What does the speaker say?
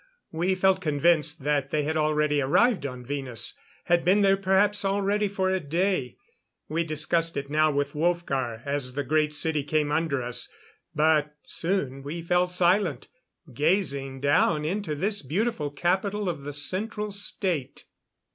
We felt convinced that they had already arrived on Venus had been there perhaps already for a day. We discussed it now with Wolfgar as the Great City came under us; but soon we fell silent, gazing down into this beautiful capital of the Central State.